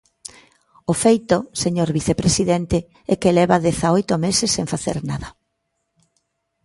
O feito, señor vicepresidente, é que leva dezaoito meses sen facer nada.